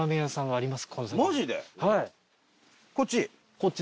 こっち？